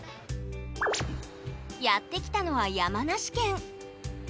やって来たのは山梨県。